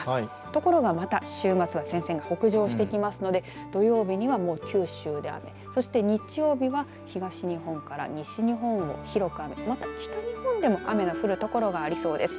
ところが、また週末には前線、北上してきますので土曜日には九州で雨そして日曜日は東日本から西日本を広く雨、北日本でも雨が降る見込みがありそうです。